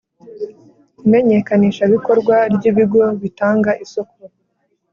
Imenyekanishabikorwa ry ibigo bitanga isoko